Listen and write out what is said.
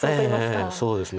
そうですね。